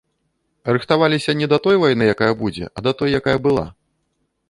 Рыхтаваліся не да той вайны, якая будзе, а да той, якая была.